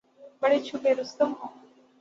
بڑے چھپے رستم ہو